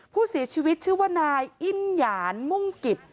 ผู้เสียชีวิตชื่อว่านายอิ้นหยานมุ่งกิจ